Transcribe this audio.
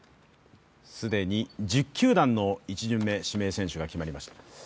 既に１０球団の１巡目指名選手が決まりました。